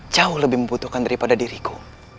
jauh lebih membutuhkan daripada diriku